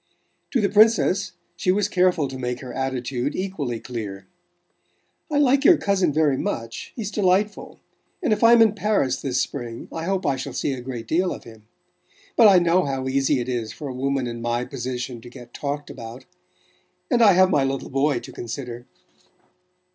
To the Princess she was careful to make her attitude equally clear. "I like your cousin very much he's delightful, and if I'm in Paris this spring I hope I shall see a great deal of him. But I know how easy it is for a woman in my position to get talked about and I have my little boy to consider."